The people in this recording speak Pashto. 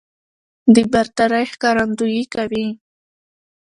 د برترۍ ښکارندويي کوي